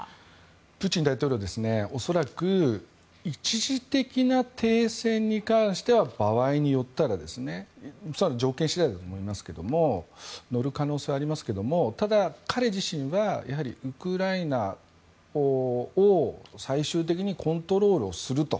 プーチン大統領は恐らく、一時的な停戦に関しては場合によっては条件次第だと思いますが乗る可能性はありますがただ、彼自身はやはりウクライナを最終的にコントロールすると。